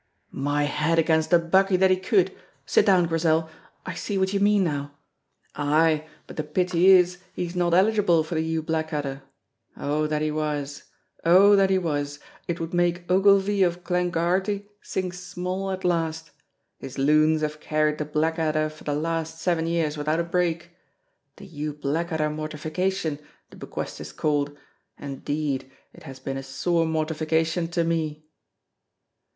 "My head against a buckie that he could! Sit down, Grizel, I see what you mean now. Ay, but the pity is he's not eligible for the Hugh Blackadder. Oh, that he was, oh, that he was! It would make Ogilvy of Glenquharity sing small at last! His loons have carried the Blackadder for the last seven years without a break. The Hugh Blackadder Mortification, the bequest is called, and, 'deed, it has been a sore mortification to me!"